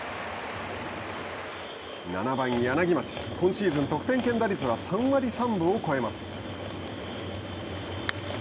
７番柳町今シーズン、得点圏打率は３割３分を超えます。